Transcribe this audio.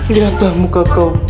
lihatlah muka kau